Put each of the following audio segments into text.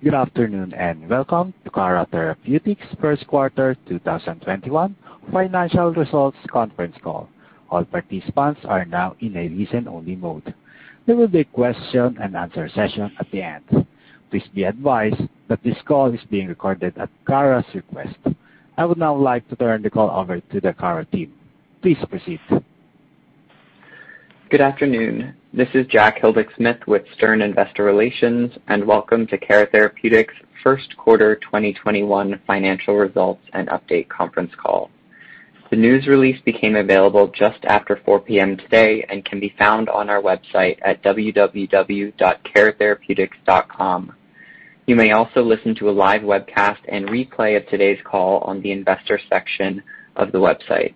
Good afternoon, and welcome to Cara Therapeutics' first quarter 2021 financial results conference call. All participants are now in a listen-only mode. There will be a question-and-answer session at the end. Please be advised that this call is being recorded at Cara's request. I would now like to turn the call over to the Cara team. Please proceed. Good afternoon. This is Jack Hildick-Smith with Stern Investor Relations, and welcome to Cara Therapeutics' first quarter 2021 financial results and update conference call. The news release became available just after 4:00 P.M. today and can be found on our website at www.caratherapeutics.com. You may also listen to a live webcast and replay of today's call on the investors section of the website.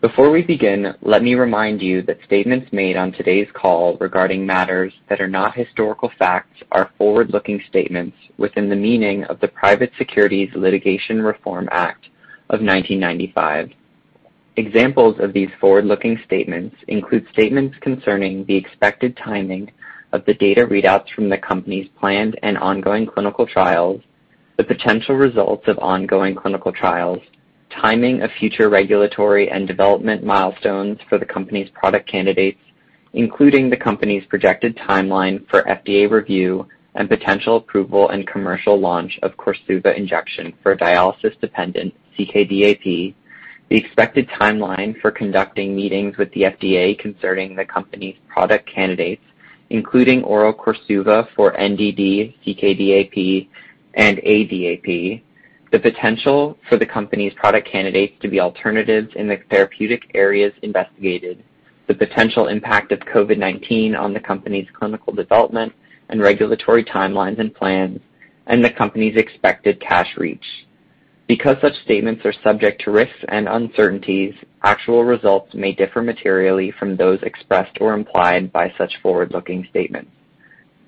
Before we begin, let me remind you that statements made on today's call regarding matters that are not historical facts are forward-looking statements within the meaning of the Private Securities Litigation Reform Act of 1995. Examples of these forward-looking statements include statements concerning the expected timing of the data readouts from the company's planned and ongoing clinical trials, the potential results of ongoing clinical trials, timing of future regulatory and development milestones for the company's product candidates, including the company's projected timeline for FDA review and potential approval and commercial launch of KORSUVA Injection for dialysis-dependent CKD-AP, the expected timeline for conducting meetings with the FDA concerning the company's product candidates, including oral KORSUVA for NDD, CKD-AP, and AD-aP, the potential for the company's product candidates to be alternatives in the therapeutic areas investigated, the potential impact of COVID-19 on the company's clinical development, and regulatory timelines and plans, and the company's expected cash reach. Because such statements are subject to risks and uncertainties, actual results may differ materially from those expressed or implied by such forward-looking statements.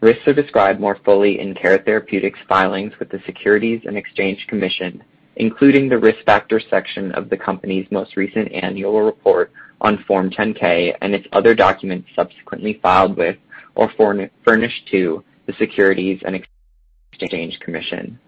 Risks are described more fully in Cara Therapeutics' filings with the Securities and Exchange Commission, including the risk factors section of the company's most recent annual report on Form 10-K and its other documents subsequently filed with or furnished to the Securities and Exchange Commission.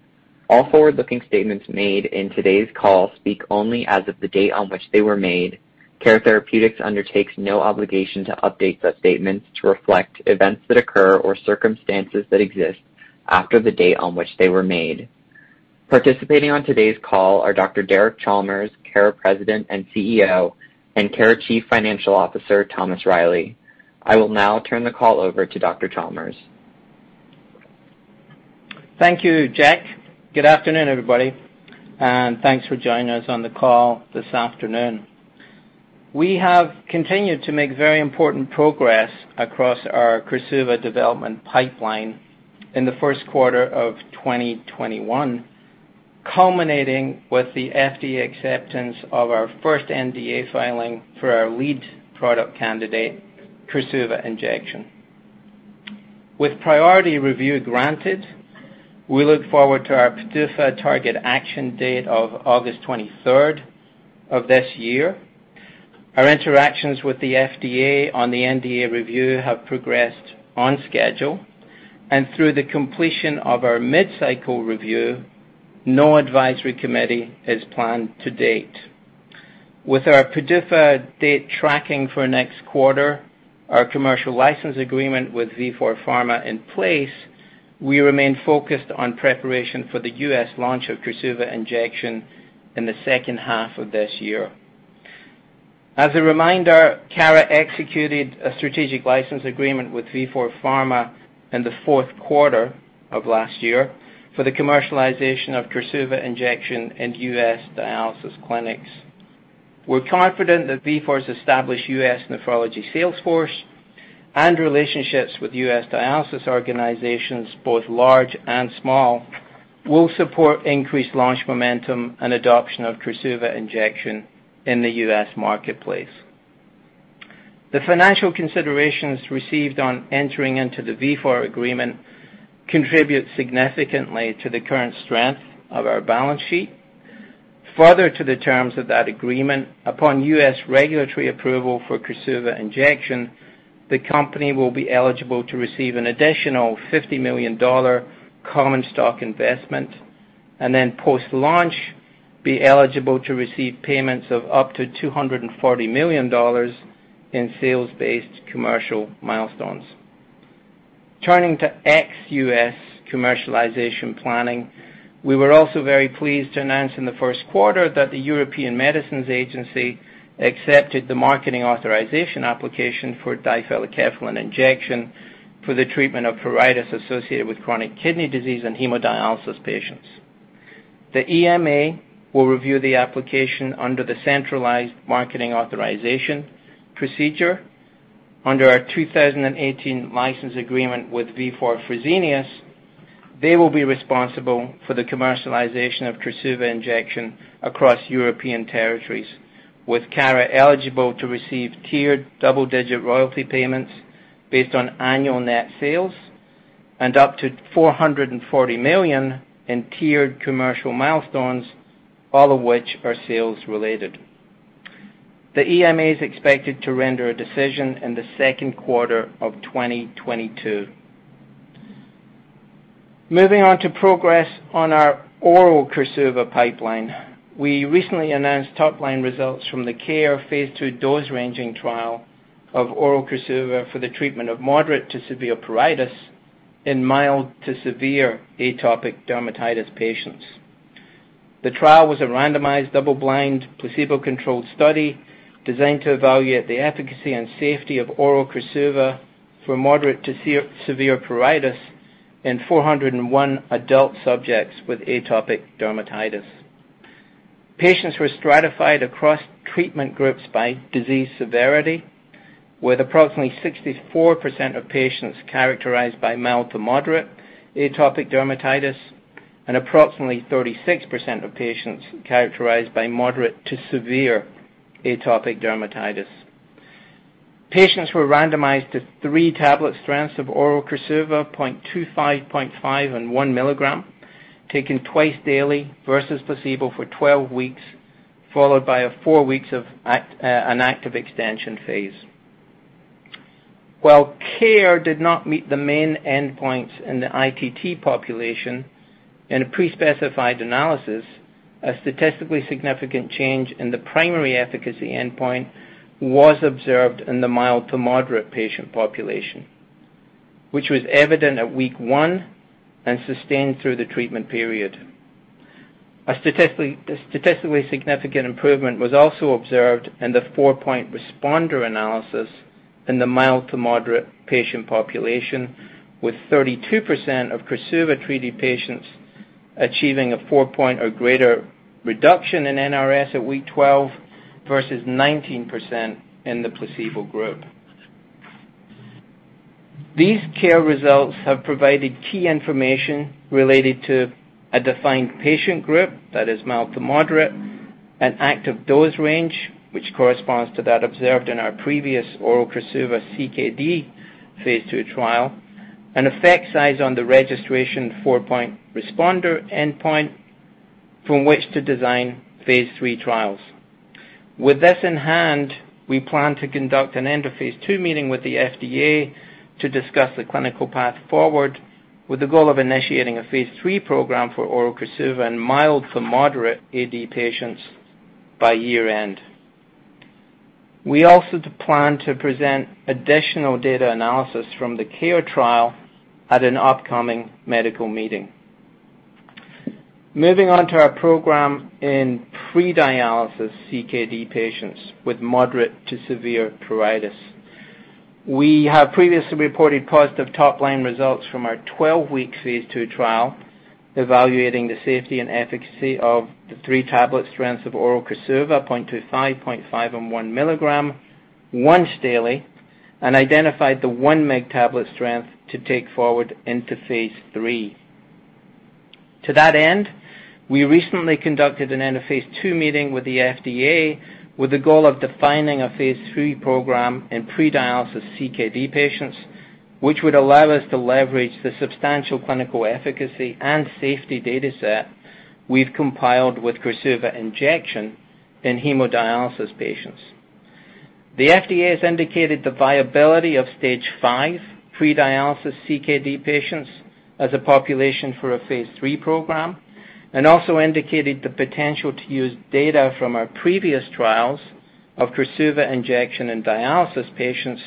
All forward-looking statements made in today's call speak only as of the date on which they were made. Cara Therapeutics undertakes no obligation to update such statements to reflect events that occur or circumstances that exist after the date on which they were made. Participating on today's call are Dr. Derek Chalmers, Cara President and CEO, and Cara Chief Financial Officer, Thomas Reilly. I will now turn the call over to Dr. Chalmers. Thank you, Jack. Good afternoon, everybody, and thanks for joining us on the call this afternoon. We have continued to make very important progress across our KORSUVA development pipeline in the first quarter of 2021, culminating with the FDA acceptance of our first NDA filing for our lead product candidate, KORSUVA Injection. With priority review granted, we look forward to our PDUFA target action date of August 23rd of this year. Our interactions with the FDA on the NDA review have progressed on schedule, through the completion of our mid-cycle review, no advisory committee is planned to date. With our PDUFA date tracking for next quarter, our commercial license agreement with Vifor Pharma in place, we remain focused on preparation for the U.S. launch of KORSUVA Injection in the second half of this year. As a reminder, Cara executed a strategic license agreement with Vifor Pharma in the fourth quarter of last year for the commercialization of KORSUVA Injection in U.S. dialysis clinics. We're confident that Vifor's established U.S. nephrology sales force and relationships with U.S. dialysis organizations, both large and small, will support increased launch momentum and adoption of KORSUVA Injection in the U.S. marketplace. The financial considerations received on entering into the Vifor agreement contribute significantly to the current strength of our balance sheet. Further to the terms of that agreement, upon U.S. regulatory approval for KORSUVA Injection, the company will be eligible to receive an additional $50 million common stock investment, and then post-launch, be eligible to receive payments of up to $240 million in sales-based commercial milestones. Turning to ex-U.S. commercialization planning. We were also very pleased to announce in the first quarter that the European Medicines Agency accepted the marketing authorization application for difelikefalin injection for the treatment of pruritus associated with chronic kidney disease in hemodialysis patients. The EMA will review the application under the centralized marketing authorization procedure. Under our 2018 license agreement with Vifor Fresenius, they will be responsible for the commercialization of KORSUVA Injection across European territories, with Cara eligible to receive tiered double-digit royalty payments based on annual net sales and up to $440 million in tiered commercial milestones, all of which are sales related. The EMA is expected to render a decision in the second quarter of 2022. Moving on to progress on our oral KORSUVA pipeline. We recently announced top-line results from the KARE Phase II dose-ranging trial of oral KORSUVA for the treatment of moderate to severe pruritus in mild to severe atopic dermatitis patients. The trial was a randomized, double-blind, placebo-controlled study designed to evaluate the efficacy and safety of oral KORSUVA for moderate to severe pruritus in 401 adult subjects with atopic dermatitis. Patients were stratified across treatment groups by disease severity, with approximately 64% of patients characterized by mild to moderate atopic dermatitis and approximately 36% of patients characterized by moderate to severe atopic dermatitis. Patients were randomized to three tablet strengths of oral KORSUVA, 0.25 mg, 0.5 mg, and 1 mg, taken twice daily versus placebo for 12 weeks, followed by four weeks of an active extension phase. While Cara did not meet the main endpoints in the ITT population in a pre-specified analysis, a statistically significant change in the primary efficacy endpoint was observed in the mild to moderate patient population, which was evident at week one and sustained through the treatment period. A statistically significant improvement was also observed in the four-point responder analysis in the mild to moderate patient population, with 32% of KORSUVA-treated patients achieving a four-point or greater reduction in NRS at week 12 versus 19% in the placebo group. These Cara results have provided key information related to a defined patient group that is mild to moderate, an active dose range, which corresponds to that observed in our previous oral KORSUVA CKD phase II trial, and effect size on the registration four-point responder endpoint from which to design phase III trials. With this in hand, we plan to conduct an end of Phase II meeting with the FDA to discuss the clinical path forward with the goal of initiating a Phase III program for oral KORSUVA in mild to moderate AD patients by year-end. We also plan to present additional data analysis from the KARE trial at an upcoming medical meeting. Moving on to our program in pre-dialysis CKD patients with moderate to severe pruritus. We have previously reported positive top-line results from our 12-week Phase II trial evaluating the safety and efficacy of the three tablet strengths of oral KORSUVA, 0.25 mg, 0.5 mg, and 1 mg once daily and identified the 1 mg tablet strength to take forward into Phase III. To that end, we recently conducted an end of phase II meeting with the FDA with the goal of defining a phase III program in pre-dialysis CKD patients, which would allow us to leverage the substantial clinical efficacy and safety data set we've compiled with KORSUVA Injection in hemodialysis patients. The FDA has indicated the viability of stage five pre-dialysis CKD patients as a population for a phase III program and also indicated the potential to use data from our previous trials of KORSUVA Injection in dialysis patients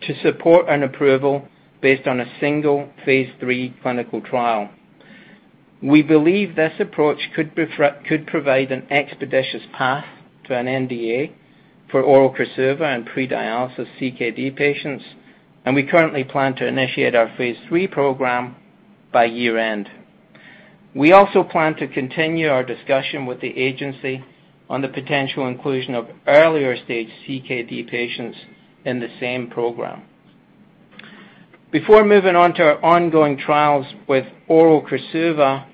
to support an approval based on a single phase III clinical trial. We believe this approach could provide an expeditious path to an NDA for oral KORSUVA in pre-dialysis CKD patients, and we currently plan to initiate our phase III program by year-end. We also plan to continue our discussion with the agency on the potential inclusion of earlier-stage CKD patients in the same program. Before moving on to our ongoing trials with oral KORSUVA,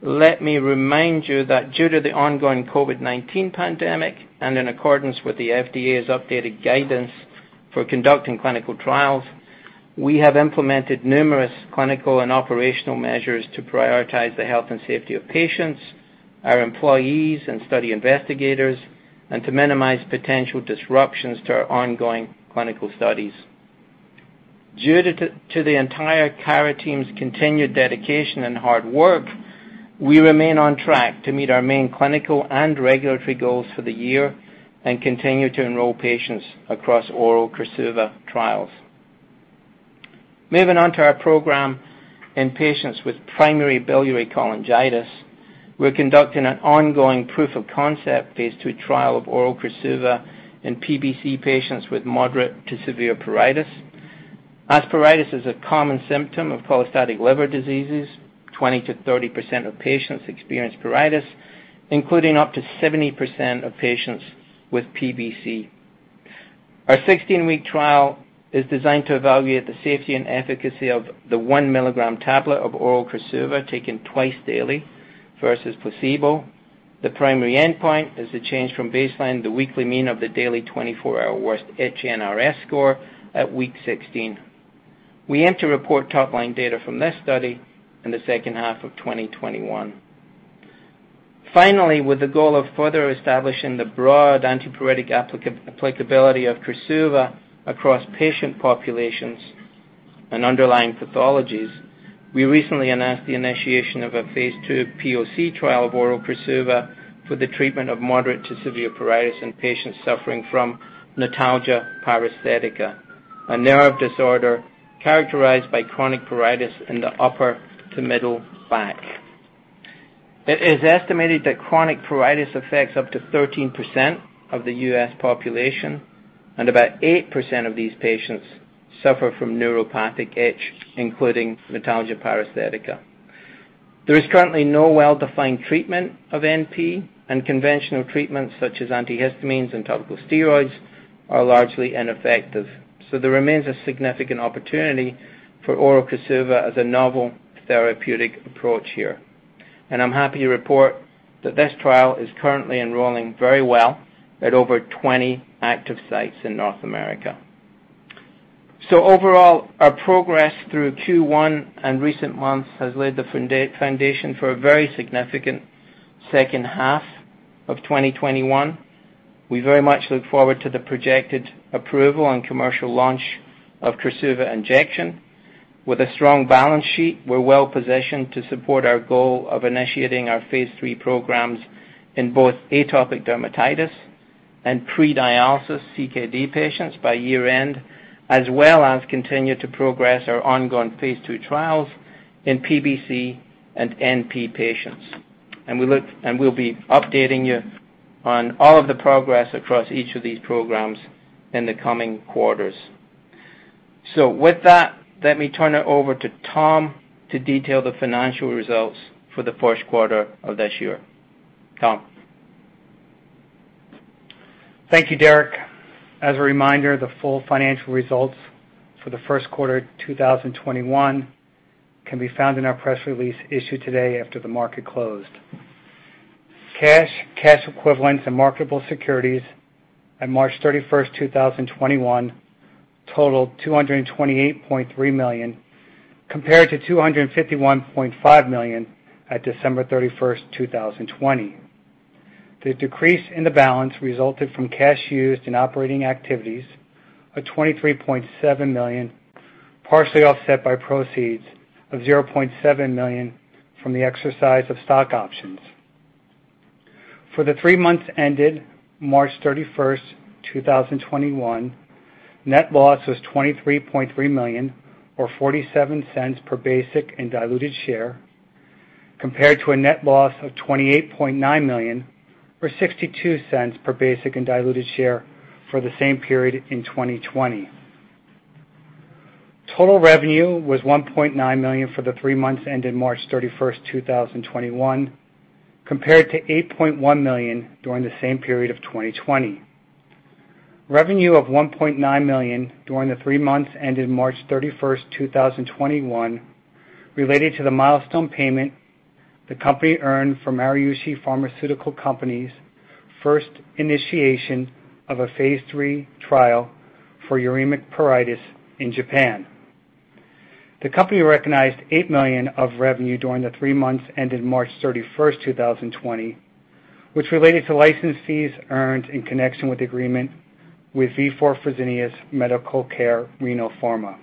let me remind you that due to the ongoing COVID-19 pandemic and in accordance with the FDA's updated guidance for conducting clinical trials, we have implemented numerous clinical and operational measures to prioritize the health and safety of patients, our employees, and study investigators, and to minimize potential disruptions to our ongoing clinical studies. Due to the entire Cara team's continued dedication and hard work, we remain on track to meet our main clinical and regulatory goals for the year and continue to enroll patients across oral KORSUVA trials. Moving on to our program in patients with primary biliary cholangitis. We're conducting an ongoing proof of concept phase II trial of oral KORSUVA in PBC patients with moderate to severe pruritus. As pruritus is a common symptom of cholestatic liver diseases, 20%-30% of patients experience pruritus, including up to 70% of patients with PBC. Our 16-week trial is designed to evaluate the safety and efficacy of the one milligram tablet of oral KORSUVA taken twice daily versus placebo. The primary endpoint is the change from baseline, the weekly mean of the daily 24-hour worst itchy NRS score at week 16. We aim to report top-line data from this study in the second half of 2021. Finally, with the goal of further establishing the broad antipruritic applicability of KORSUVA across patient populations and underlying pathologies, we recently announced the initiation of a phase II POC trial of oral KORSUVA for the treatment of moderate to severe pruritus in patients suffering from notalgia paresthetica, a nerve disorder characterized by chronic pruritus in the upper to middle back. It is estimated that chronic pruritus affects up to 13% of the U.S. population, and about 8% of these patients suffer from neuropathic itch, including notalgia paresthetica. There is currently no well-defined treatment of NP, and conventional treatments such as antihistamines and topical steroids are largely ineffective. There remains a significant opportunity for oral KORSUVA as a novel therapeutic approach here. I'm happy to report that this trial is currently enrolling very well at over 20 active sites in North America. Overall, our progress through Q1 and recent months has laid the foundation for a very significant second half of 2021. We very much look forward to the projected approval and commercial launch of KORSUVA Injection. With a strong balance sheet, we're well-positioned to support our goal of initiating our phase III programs in both atopic dermatitis and pre-dialysis CKD patients by year-end, as well as continue to progress our ongoing phase II trials in PBC and NP patients. We'll be updating you on all of the progress across each of these programs in the coming quarters. With that, let me turn it over to Tom to detail the financial results for the first quarter of this year. Tom? Thank you, Derek. As a reminder, the full financial results for the first quarter 2021 can be found in our press release issued today after the market closed. Cash, cash equivalents, and marketable securities at March 31st, 2021 totaled $228.3 million, compared to $251.5 million at December 31st, 2020. The decrease in the balance resulted from cash used in operating activities of $23.7 million, partially offset by proceeds of $0.7 million from the exercise of stock options. For the three months ended March 31st, 2021, net loss was $23.3 million, or $0.47 per basic and diluted share, compared to a net loss of $28.9 million or $0.62 per basic and diluted share for the same period in 2020. Total revenue was $1.9 million for the three months ended March 31st, 2021, compared to $8.1 million during the same period of 2020. Revenue of $1.9 million during the three months ended March 31st, 2021, related to the milestone payment the company earned from Maruishi Pharmaceutical Company's first initiation of a phase III trial for uremic pruritus in Japan. The company recognized $8 million of revenue during the three months ended March 31st, 2020, which related to license fees earned in connection with agreement with Vifor Fresenius Medical Care Renal Pharma.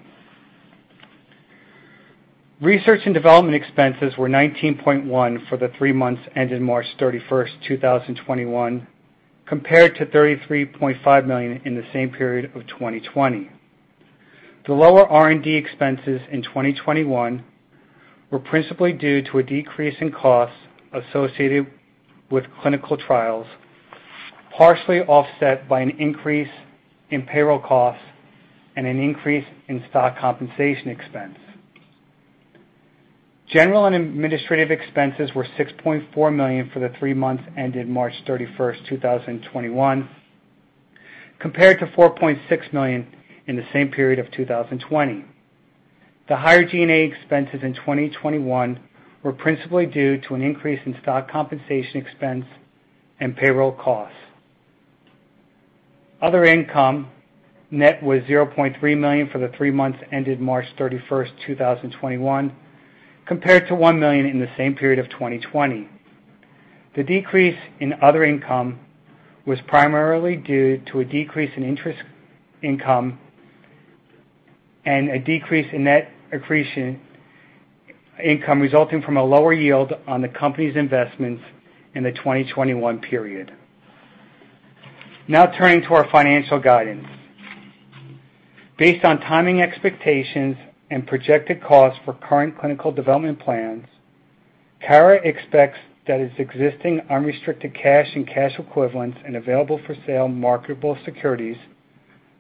Research and development expenses were $19.1 million for the three months ended March 31st, 2021, compared to $33.5 million in the same period of 2020. The lower R&D expenses in 2021 were principally due to a decrease in costs associated with clinical trials, partially offset by an increase in payroll costs and an increase in stock compensation expense. General and administrative expenses were $6.4 million for the three months ended March 31st, 2021, compared to $4.6 million in the same period of 2020. The higher G&A expenses in 2021 were principally due to an increase in stock compensation expense and payroll costs. Other income net was $0.3 million for the three months ended March 31st, 2021, compared to $1 million in the same period of 2020. The decrease in other income was primarily due to a decrease in interest income and a decrease in net accretion income resulting from a lower yield on the company's investments in the 2021 period. Turning to our financial guidance. Based on timing expectations and projected costs for current clinical development plans, Cara expects that its existing unrestricted cash and cash equivalents and available-for-sale marketable securities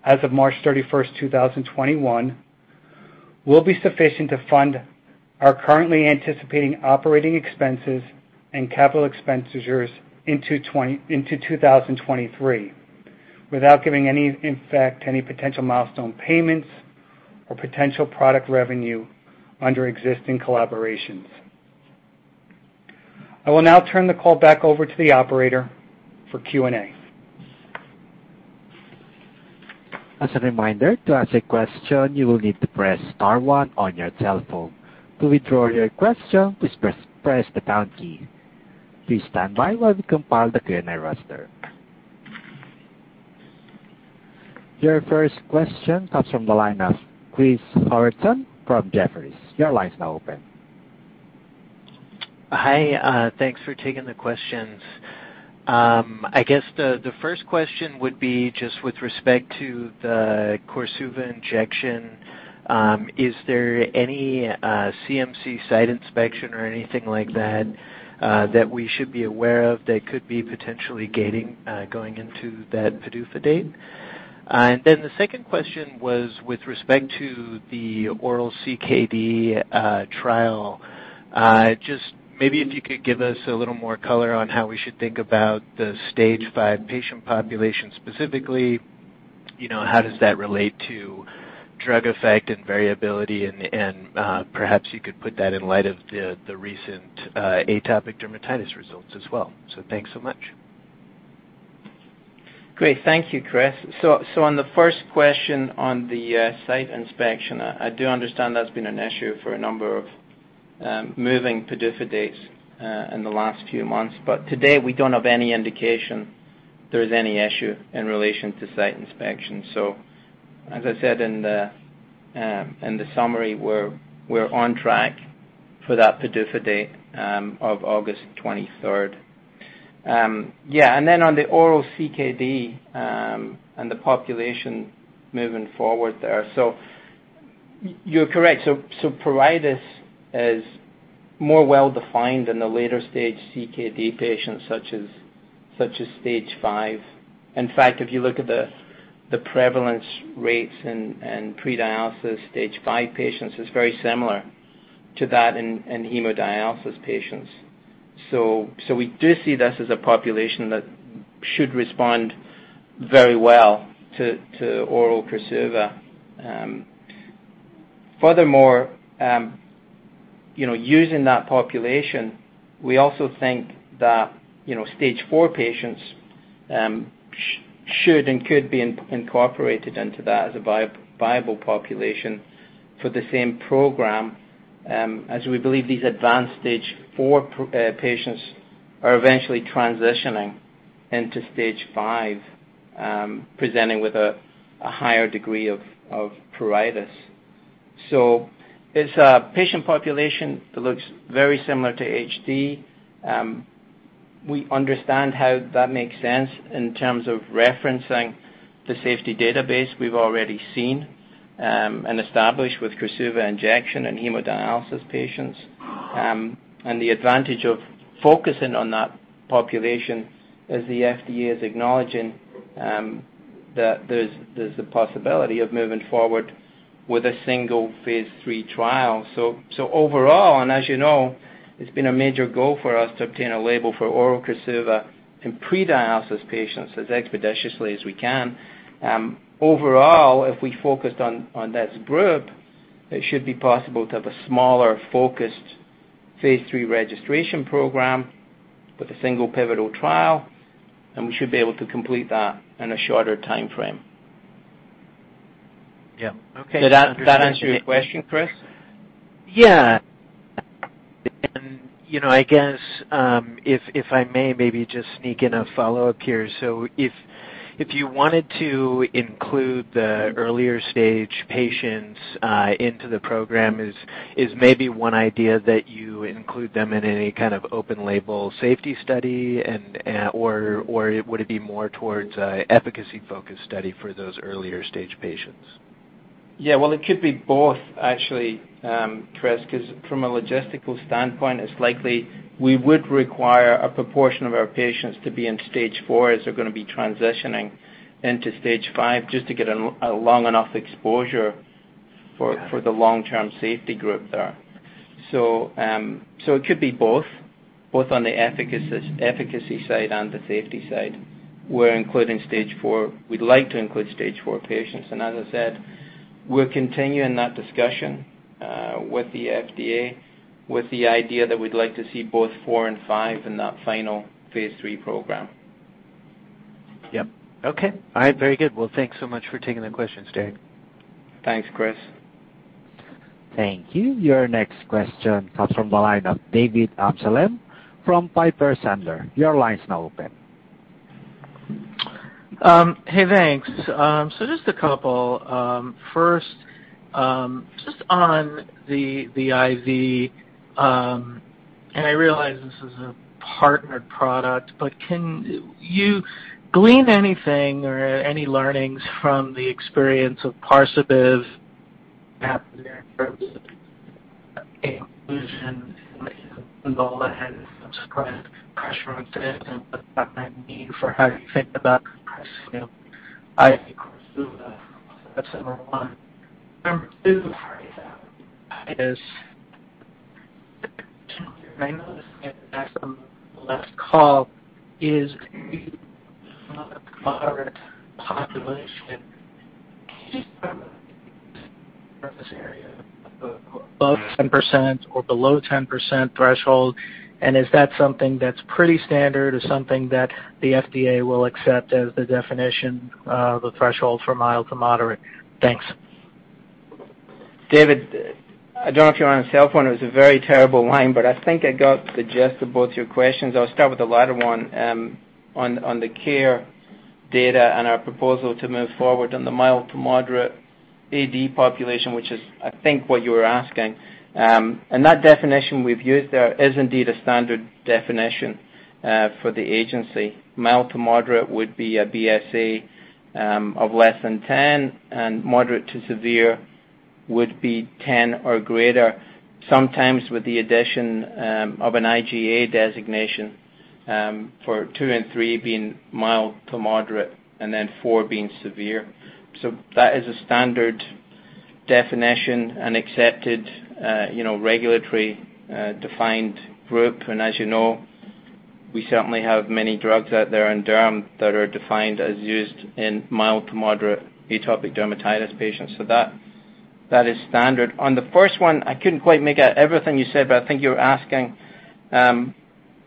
as of March 31st, 2021 will be sufficient to fund our currently anticipating operating expenses and capital expenditures into 2023 without giving any potential milestone payments or potential product revenue under existing collaborations. I will now turn the call back over to the operator for Q&A. As a reminder, to ask a question, you will need to press star one on your telephone. To withdraw your question, please press the pound key. Please stand by while we compile the Q&A roster. Your first question comes from the line of Chris Howerton from Jefferies. Your line is now open. Hi. Thanks for taking the questions. I guess the first question would be just with respect to the KORSUVA Injection. Is there any CMC site inspection or anything like that we should be aware of that could be potentially gating going into that PDUFA date? The second question was with respect to the oral CKD trial. Just maybe if you could give us a little more color on how we should think about the Stage 5 patient population specifically, how does that relate to drug effect and variability and, perhaps you could put that in light of the recent atopic dermatitis results as well. Thanks so much. Great. Thank you, Chris. On the first question on the site inspection, I do understand that's been an issue for a number of moving PDUFA dates in the last few months. Today, we don't have any indication there's any issue in relation to site inspections. As I said in the summary, we're on track for that PDUFA date of August 23rd. On the oral CKD, and the population moving forward there. You're correct. Pruritus is more well-defined in the later stage CKD patients such as Stage 5. In fact, if you look at the prevalence rates and pre-dialysis stage five patients, it's very similar to that in hemodialysis patients. We do see this as a population that should respond very well to oral KORSUVA. Furthermore, using that population, we also think that Stage 4 patients should and could be incorporated into that as a viable population for the same program, as we believe these advanced Stage 4 patients are eventually transitioning into Stage 5, presenting with a higher degree of pruritus. It's a patient population that looks very similar to HD. We understand how that makes sense in terms of referencing the safety database we've already seen and established with KORSUVA Injection in hemodialysis patients. The advantage of focusing on that population as the FDA is acknowledging that there's the possibility of moving forward with a single phase III trial. Overall, and as you know, it's been a major goal for us to obtain a label for oral KORSUVA in pre-dialysis patients as expeditiously as we can. Overall, if we focused on this group, it should be possible to have a smaller, focused phase III registration program with a single pivotal trial, and we should be able to complete that in a shorter timeframe. Yeah. Okay. Did that answer your question, Chris? Yeah. I guess, if I may maybe just sneak in a follow-up here. If you wanted to include the earlier stage patients into the program, is maybe one idea that you include them in any kind of open label safety study, or would it be more towards a efficacy-focused study for those earlier stage patients? Well, it could be both actually, Chris, because from a logistical standpoint, it's likely we would require a proportion of our patients to be in Stage 4 as they're going to be transitioning into Stage 5 just to get a long enough exposure for the long-term safety group there. It could be both on the efficacy side and the safety side. We're including Stage 4. We'd like to include Stage 4 patients. As I said, we're continuing that discussion with the FDA with the idea that we'd like to see both four and five in that final phase III program. Yep. Okay. All right. Very good. Well, thanks so much for taking the questions, Derek. Thanks, Chris. Thank you. Your next question comes from the line of David Amsellem from Piper Sandler. Your line's now open. Hey, thanks. Just a couple, first, just on the IV, and I realize this is a partnered product, but can you glean anything or any learnings from the experience of PARSABIV, inclusion in the label and subsequent pressure on it and the need for how you think about KORSUVA. I think KORSUVA of December 1. Number two is, I noticed you had asked on the last call what is the current population. Can you just this area above 10% or below 10% threshold, and is that something that's pretty standard or something that the FDA will accept as the definition of the threshold from mild to moderate? Thanks. David, I don't know if you're on a cell phone. It was a very terrible line, but I think I got the gist of both your questions. I'll start with the latter one on the KARE data and our proposal to move forward on the mild to moderate AD population, which is, I think, what you were asking. That definition we've used there is indeed a standard definition for the agency. Mild to moderate would be a BSA of less than 10, and moderate to severe would be 10 or greater, sometimes with the addition of an IGA designation for II and III being mild to moderate, and then IV being severe. That is a standard definition and accepted regulatory-defined group. As you know, we certainly have many drugs out there in derm that are defined as used in mild to moderate atopic dermatitis patients. That is standard. On the first one, I couldn't quite make out everything you said, but I think you were asking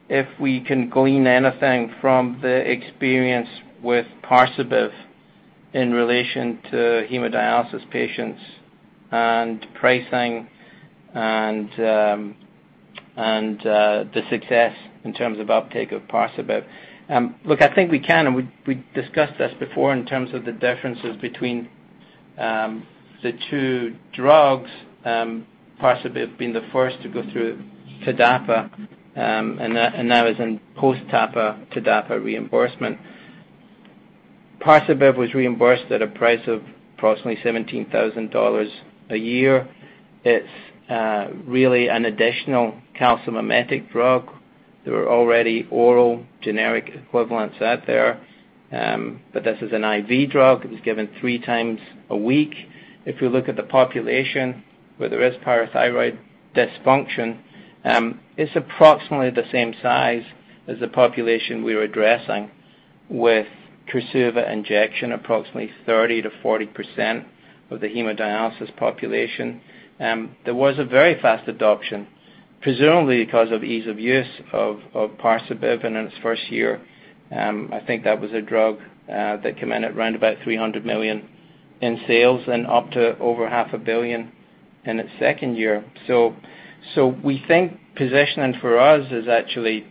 if we can glean anything from the experience with PARSABIV in relation to hemodialysis patients and pricing and the success in terms of uptake of PARSABIV. I think we can, and we discussed this before in terms of the differences between the two drugs, PARSABIV being the first to go through TDAPA, and now is in post-TDAPA TDAPA reimbursement. PARSABIV was reimbursed at a price of approximately $17,000 a year. It's really an additional calcimimetic drug. There are already oral generic equivalents out there, but this is an IV drug. It was given three times a week. If we look at the population where there is parathyroid dysfunction, it's approximately the same size as the population we were addressing with KORSUVA Injection, approximately 30%-40% of the hemodialysis population. There was a very fast adoption, presumably because of ease of use of PARSABIV. In its first year, I think that was a drug that came in at round about $300 million in sales and up to over $500,000,000 in its second year. We think positioning for us is actually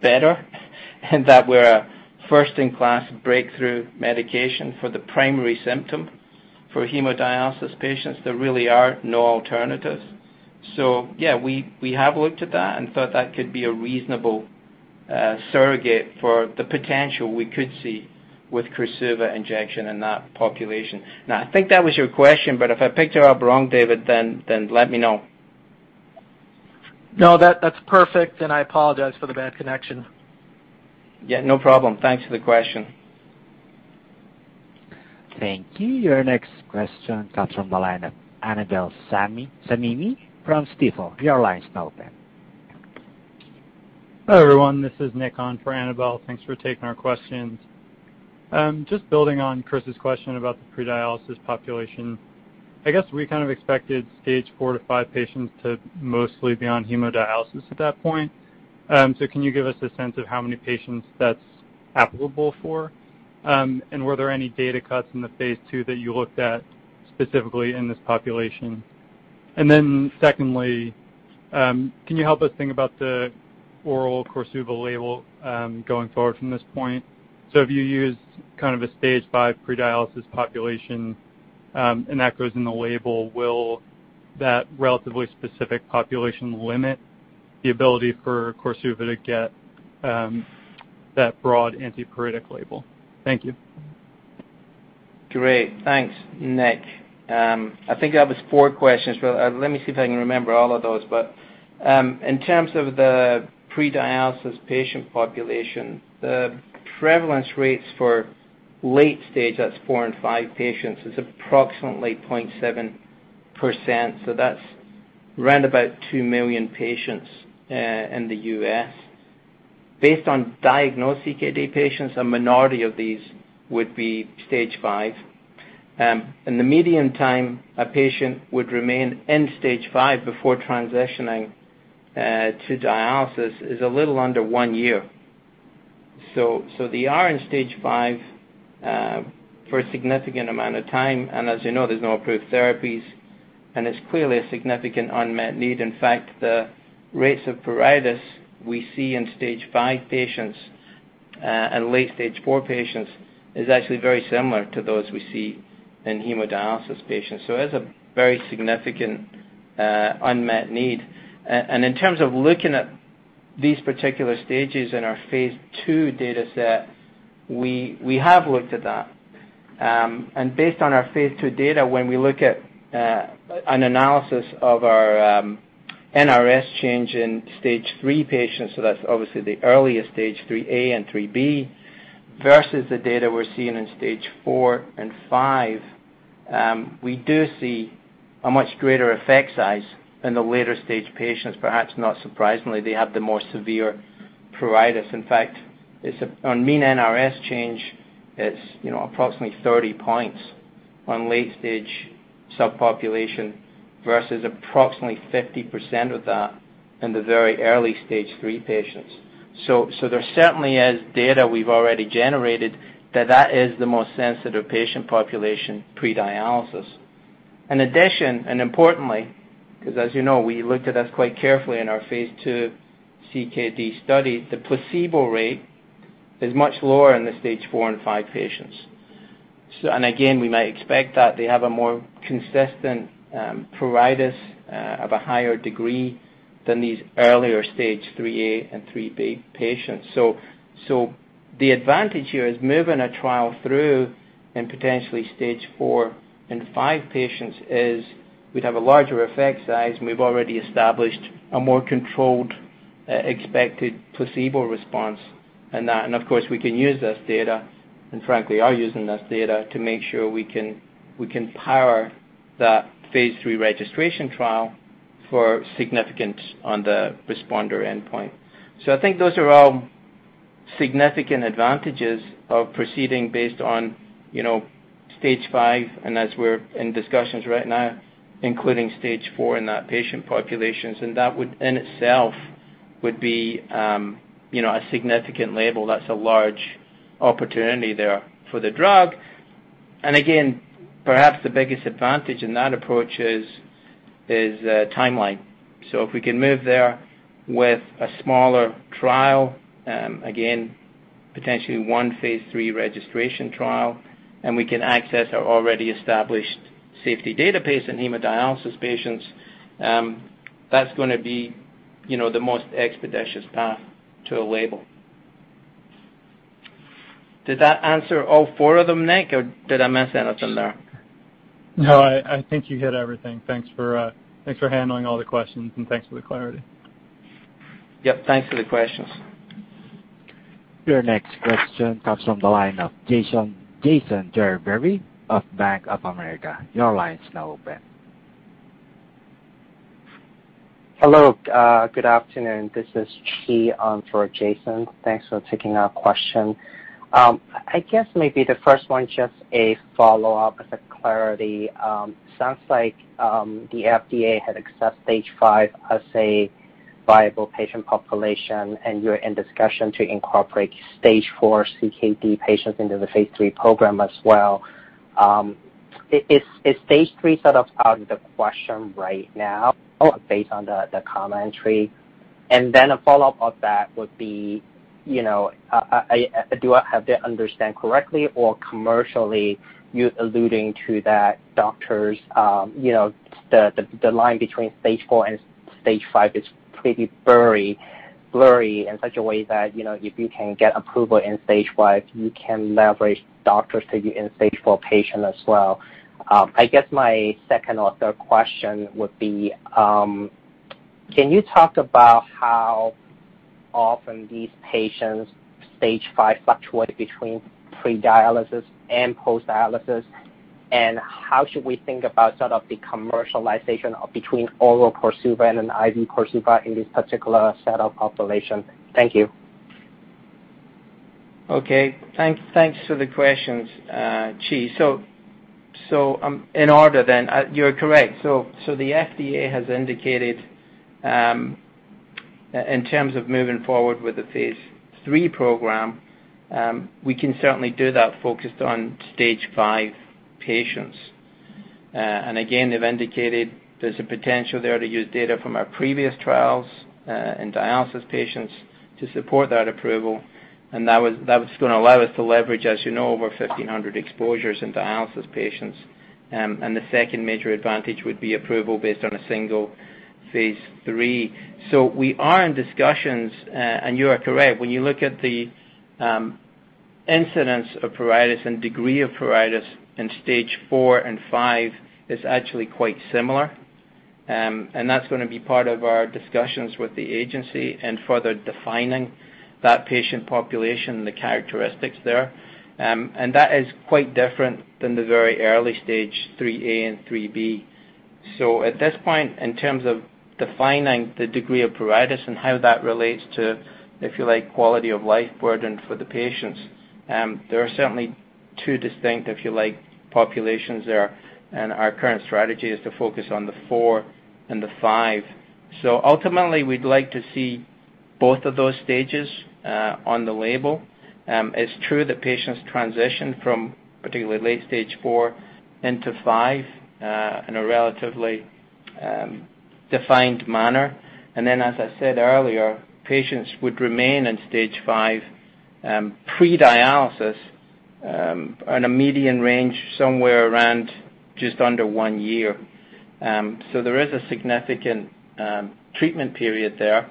better, and that we're a first-in-class breakthrough medication for the primary symptom. For hemodialysis patients, there really are no alternatives. Yeah, we have looked at that and thought that could be a reasonable surrogate for the potential we could see with KORSUVA Injection in that population. Now, I think that was your question, but if I picked you up wrong, David, then let me know. No, that's perfect. I apologize for the bad connection. Yeah, no problem. Thanks for the question. Thank you. Your next question comes from the line of Annabel Samimy from Stifel. Your line is now open. Hi, everyone. This is Nick on for Annabel. Thanks for taking our questions. Just building on Chris' question about the pre-dialysis population. I guess we kind of expected Stage 4 Stage 5 patients to mostly be on hemodialysis at that point. Can you give us a sense of how many patients that's applicable for? Were there any data cuts in the phase II that you looked at specifically in this population? Secondly, can you help us think about the oral KORSUVA label going forward from this point? If you use a stage five pre-dialysis population, and that goes in the label, will that relatively specific population limit the ability for KORSUVA to get that broad antipruritic label? Thank you. Great. Thanks, Nick. I think that was four questions. Well, let me see if I can remember all of those. In terms of the pre-dialysis patient population, the prevalence rates for late Stage 4 Stage 5 patients, is approximately 0.7%. That's round about 2 million patients in the U.S. Based on diagnosed CKD patients, a minority of these would be Stage 5. The median time a patient would remain in Stage 5 before transitioning to dialysis is a little under one year. They are in Stage 5 for a significant amount of time, and as you know, there's no approved therapies, and it's clearly a significant unmet need. In fact, the rates of pruritus we see in Stage 5 patients and late Stage 4 patients is actually very similar to those we see in hemodialysis patients. It is a very significant unmet need. In terms of looking at these particular stages in our phase II data set, we have looked at that. Based on our phase II data, when we look at an analysis of our NRS change in Stage 3 patients, so that's obviously the earliest stage, 3A and 3B, versus the data we're seeing in Stage 4 and Stage 5, we do see a much greater effect size in the later-stage patients. Perhaps not surprisingly, they have the more severe pruritus. In fact, on mean NRS change, it's approximately 30 points on late stage subpopulation versus approximately 50% of that in the very early Stage 3 patients. There certainly is data we've already generated that is the most sensitive patient population pre-dialysis. In addition, and importantly, because as you know, we looked at this quite carefully in our phase II CKD study, the placebo rate is much lower in the Stage 4 and Stage 5 patients. Again, we might expect that they have a more consistent pruritus of a higher degree than these earlier Stage 3A and 3B patients. The advantage here is moving a trial through in potentially Stage 4 and Stage 5 patients is we'd have a larger effect size, and we've already established a more controlled, expected placebo response in that. Of course, we can use this data and frankly, are using this data to make sure we can power that phase III registration trial for significance on the responder endpoint. I think those are all significant advantages of proceeding based on Stage 5 and as we're in discussions right now, including Stage 4 in that patient populations, and that in itself would be a significant label. That's a large opportunity there for the drug. Again, perhaps the biggest advantage in that approach is timeline. If we can move there with a smaller trial, again, potentially one phase III registration trial, and we can access our already established safety database in hemodialysis patients, that is going to be the most expeditious path to a label. Did that answer all four of them, Nick, or did I miss anything there? No, I think you hit everything. Thanks for handling all the questions, and thanks for the clarity. Yep. Thanks for the questions. Your next question comes from the line of Jason Gerberry of Bank of America. Hello. Good afternoon. This is Chi for Jason. Thanks for taking our question. I guess maybe the first one, just a follow-up as a clarity. Sounds like, the FDA had accepted Stage 5 as a viable patient population, and you're in discussion to incorporate Stage 4 CKD patients into the phase III program as well. Is Stage 3 sort of out of the question right now based on the commentary? A follow-up of that would be, have I understand correctly or commercially, you alluding to that doctors, the line between Stage 4 and Stage 5 is pretty blurry in such a way that, if you can get approval in Stage 5, you can leverage doctors to use in Stage 4 patient as well. I guess my second or third question would be, can you talk about how often these patients, Stage 5 fluctuate between pre-dialysis and post-dialysis, how should we think about sort of the commercialization between oral KORSUVA and an IV KORSUVA in this particular set of population? Thank you. Okay. Thanks for the questions, Chi. In order, you're correct. The FDA has indicated, in terms of moving forward with the phase III program, we can certainly do that focused on Stage 5 patients. Again, they've indicated there's a potential there to use data from our previous trials, in dialysis patients to support that approval. That was going to allow us to leverage, as you know, over 1,500 exposures in dialysis patients. The second major advantage would be approval based on a single phase III. We are in discussions. You are correct, when you look at the incidence of pruritus and degree of pruritus in Stage 4 and Stage 5, it's actually quite similar. That's going to be part of our discussions with the agency and further defining that patient population and the characteristics there. That is quite different than the very early Stage 3A and 3B. At this point, in terms of defining the degree of pruritus and how that relates to, if you like, quality of life burden for the patients, there are certainly two distinct, if you like, populations there, and our current strategy is to focus on the Stage 4 and the Stage 5. Ultimately, we'd like to see both of those stages on the label. It's true that patients transition from particularly late Stage 4 into Stage 5, in a relatively defined manner. Then, as I said earlier, patients would remain in Stage 5, pre-dialysis, on a median range somewhere around just under one year. There is a significant treatment period there,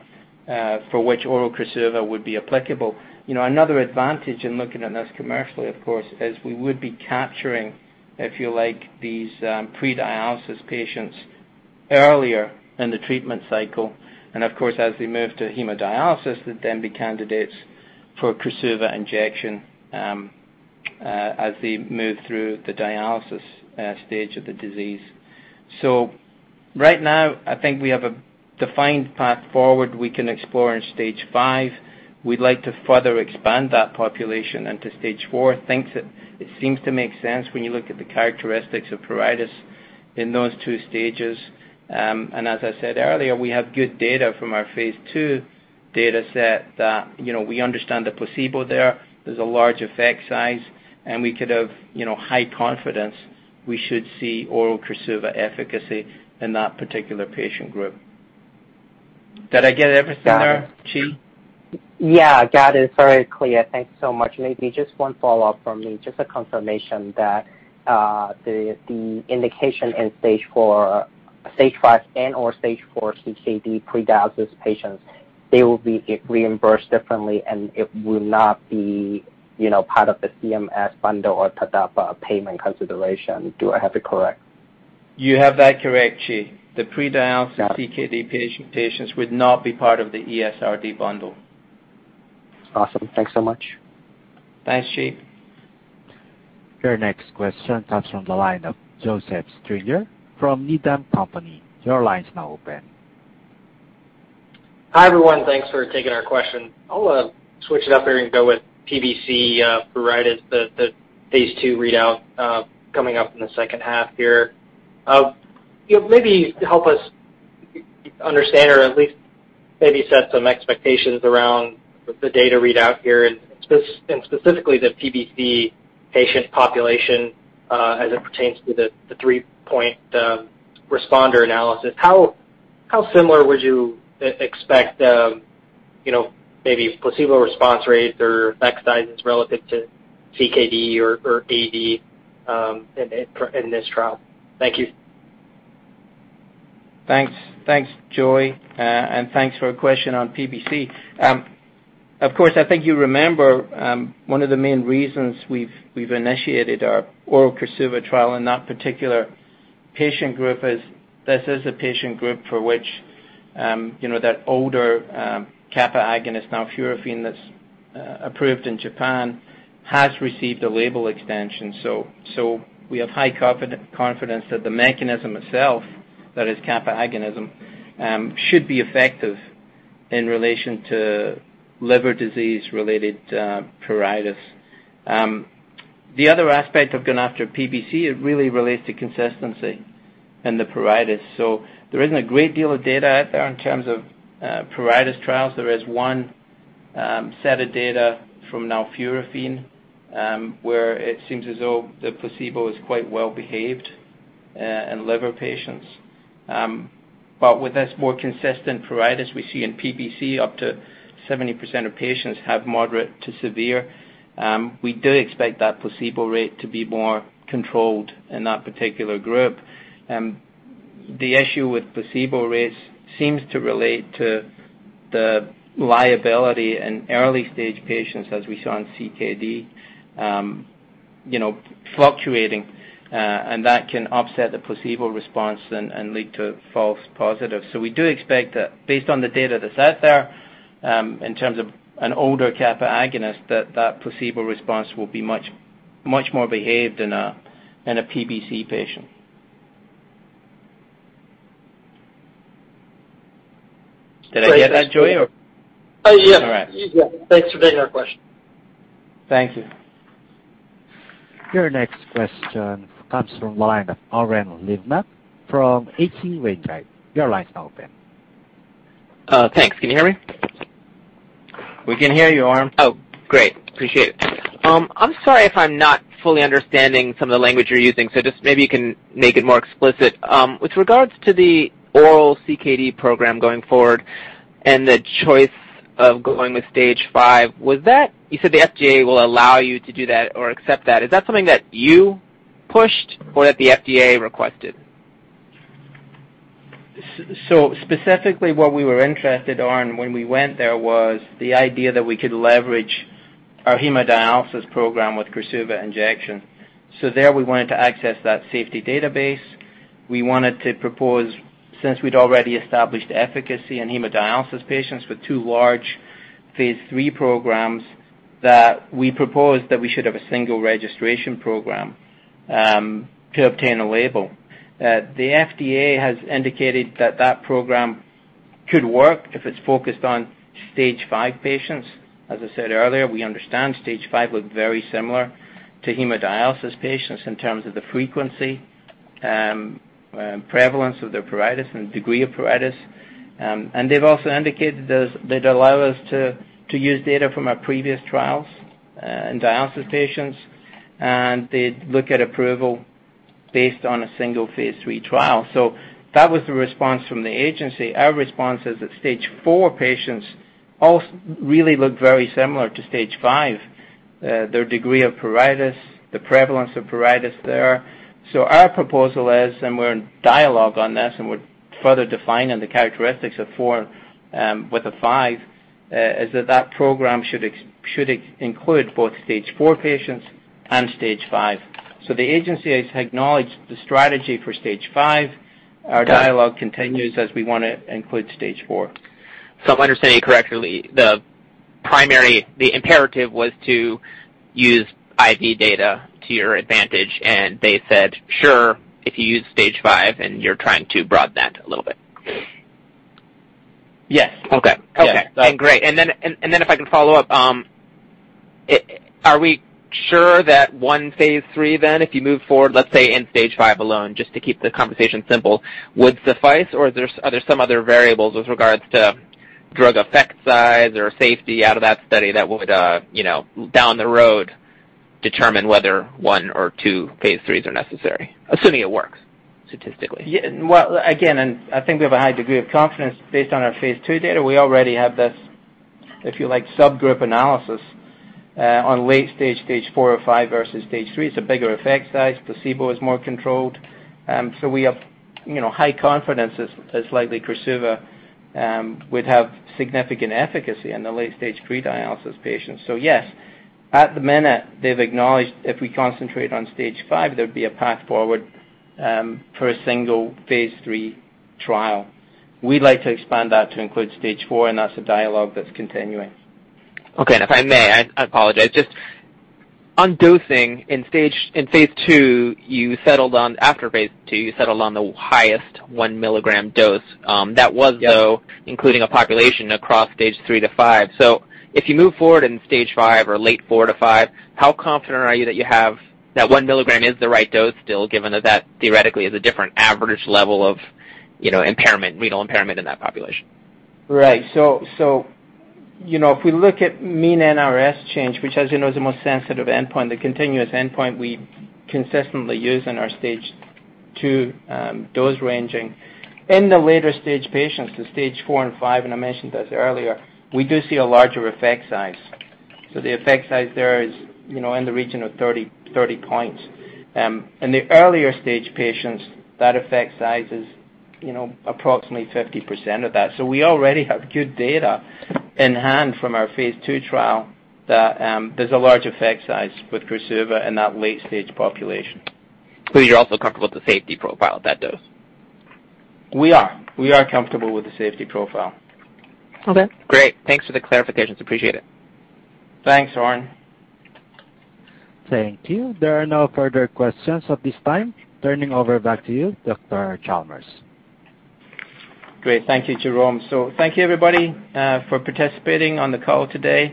for which oral KORSUVA would be applicable. Another advantage in looking at this commercially, of course, is we would be capturing, if you like, these pre-dialysis patients earlier in the treatment cycle. Of course, as we move to hemodialysis, they'd then be candidates for KORSUVA Injection as they move through the dialysis stage of the disease. Right now, I think we have a defined path forward we can explore in Stage 5. We'd like to further expand that population into Stage 4. It seems to make sense when you look at the characteristics of pruritus in those two stages. As I said earlier, we have good data from our phase II data set that we understand the placebo there. There's a large effect size, and we could have high confidence we should see oral KORSUVA efficacy in that particular patient group. Did I get everything there, Chi? Yeah. Got it. Very clear. Thanks so much. Maybe just one follow-up from me, just a confirmation that the indication in Stage 5 and/or Stage 4 CKD pre-dialysis patients, they will be reimbursed differently, and it will not be part of the CMS bundle or TDAPA payment consideration. Do I have it correct? You have that correct, Chi. The pre-dialysis- Got it. CKD patients would not be part of the ESRD bundle. Awesome. Thanks so much. Thanks, Chi. Your next question comes from the line of Joseph Stringer from Needham & Company. Your line's now open. Hi, everyone. Thanks for taking our question. I'll switch it up here and go with PBC pruritus, the phase II readout coming up in the second half here. Maybe help us understand or at least maybe set some expectations around the data readout here and specifically the PBC patient population, as it pertains to the three-point responder analysis. How similar would you expect maybe placebo response rates or effect sizes relative to CKD or AD in this trial? Thank you. Thanks. Thanks, Joey. Thanks for a question on PBC. Of course, I think you remember, one of the main reasons we've initiated our oral KORSUVA trial in that particular patient group is this is a patient group for which that older kappa agonist nalfurafine that's approved in Japan has received a label extension. We have high confidence that the mechanism itself, that is kappa agonism, should be effective in relation to liver disease-related pruritus. The other aspect of going after PBC, it really relates to consistency in the pruritus. There isn't a great deal of data out there in terms of pruritus trials. There is one set of data from nalfurafine, where it seems as though the placebo is quite well-behaved in liver patients. With this more consistent pruritus we see in PBC, up to 70% of patients have moderate to severe. We do expect that placebo rate to be more controlled in that particular group. The issue with placebo rates seems to relate to the liability in early-stage patients, as we saw in CKD fluctuating, and that can upset the placebo response and lead to false positives. We do expect that based on the data that's out there, in terms of an older kappa agonist, that placebo response will be much more behaved in a PBC patient. Did I get that, Joseph? Yes. All right. Yeah. Thanks for taking our question. Thank you. Your next question comes from the line of Oren Livnat from H.C. Wainwright. Your line's now open. Thanks. Can you hear me? We can hear you, Oren. Oh, great. Appreciate it. I'm sorry if I'm not fully understanding some of the language you're using, so just maybe you can make it more explicit. With regards to the oral CKD program going forward and the choice of going with Stage 5, you said the FDA will allow you to do that or accept that. Is that something that you pushed or that the FDA requested? Specifically what we were interested, Oren, when we went there was the idea that we could leverage our hemodialysis program with KORSUVA Injection. There we wanted to access that safety database. We wanted to propose, since we'd already established efficacy in hemodialysis patients with two large phase III programs, that we proposed that we should have a single registration program to obtain a label. The FDA has indicated that program could work if it's focused on Stage 5 patients. As I said earlier, we understand Stage 5 look very similar to hemodialysis patients in terms of the frequency, prevalence of their pruritus and degree of pruritus. They've also indicated they'd allow us to use data from our previous trials in dialysis patients, and they'd look at approval based on a single phase III trial. That was the response from the agency. Our response is that Stage 4 patients all really look very similar to Stage 5, their degree of pruritus, the prevalence of pruritus there. Our proposal is, and we're in dialogue on this, and we're further defining the characteristics of 4 with the Stage 5, is that program should include both Stage 4 patients and Stage 5. The agency has acknowledged the strategy for Stage 5. Our dialogue continues as we want to include Stage 4. If I'm understanding correctly, the imperative was to use IV data to your advantage, and they said, "Sure, if you use Stage 5," and you're trying to broaden that a little bit. Yes. Okay. Yes. Okay. Great. If I can follow up, are we sure that one phase III then, if you move forward, let's say in Stage 5 alone, just to keep the conversation simple, would suffice, or are there some other variables with regards to drug effect size or safety out of that study that would, down the road, determine whether one or two phase IIIs are necessary? Assuming it works statistically. Again, I think we have a high degree of confidence based on our phase II data. We already have this, if you like, subgroup analysis on late Stage 4 or Stage 5 versus Stage 3. It's a bigger effect size. Placebo is more controlled. We have high confidence as likely KORSUVA would have significant efficacy in the late-stage pre-dialysis patients. Yes, at the minute, they've acknowledged if we concentrate on Stage 5, there'd be a path forward for a single phase III trial. We'd like to expand that to include Stage 4, and that's a dialogue that's continuing. Okay. If I may, I apologize, just on dosing, after phase II, you settled on the highest 1 mg dose. Yes. That was, though, including a population across Stage 3 to Stage Stage 5. If you move forward in Stage 5 or late 4 to Stage 5, how confident are you that you have that one milligram is the right dose still, given that that theoretically is a different average level of impairment, renal impairment in that population? Right. If we look at mean NRS change, which as you know, is the most sensitive endpoint, the continuous endpoint we consistently use in our phase II dose ranging. In the later stage patients, the Stage 4 and Stage 5, and I mentioned this earlier, we do see a larger effect size. The effect size there is in the region of 30 points. In the earlier stage patients, that effect size is approximately 50% of that. We already have good data in hand from our phase II trial that there's a large effect size with KORSUVA in that late-stage population. You're also comfortable with the safety profile at that dose? We are. We are comfortable with the safety profile. Okay, great. Thanks for the clarifications. Appreciate it. Thanks, Oren. Thank you. There are no further questions at this time. Turning over back to you, Dr. Chalmers. Great. Thank you, Jerome. Thank you everybody for participating on the call today.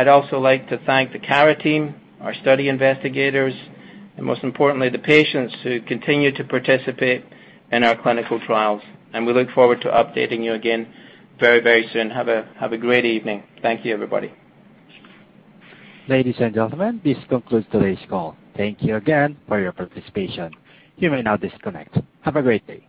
I’d also like to thank the Cara team, our study investigators, and most importantly, the patients who continue to participate in our clinical trials. We look forward to updating you again very, very soon. Have a great evening. Thank you, everybody. Ladies and gentlemen, this concludes today's call. Thank you again for your participation. You may now disconnect. Have a great day.